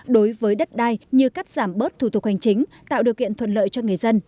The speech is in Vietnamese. đối với đất đai như cắt giảm bớt thủ tục hành chính tạo điều kiện thuận lợi cho người dân